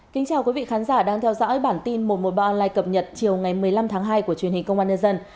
kính chào quý vị khán giả đang theo dõi bản tin một trăm một mươi ba online cập nhật chiều ngày một mươi năm tháng hai của truyền hình công an nhân dân